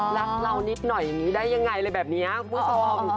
รักเรานิดหน่อยได้ยังไงแบบนี้ครับคุณผู้ชม